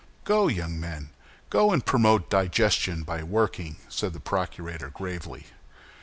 "Go, young men! go and promote digestion by working," said the procurator, gravely.